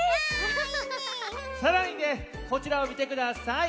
さらにねこちらをみてください。